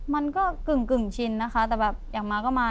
มันก็กึ่งชินนะคะแต่แบบอยากมาก็มา